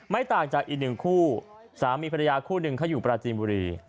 ต่างจากอีกหนึ่งคู่สามีภรรยาคู่หนึ่งเขาอยู่ปราจีนบุรี